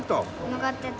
曲がってた。